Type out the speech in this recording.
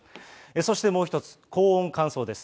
そしてもう１つ、高温乾燥です。